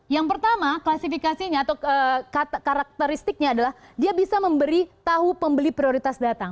yang pertama klasifikasinya atau karakteristiknya adalah dia bisa memberi tahu pembeli prioritas datang